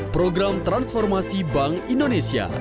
program transformasi bank indonesia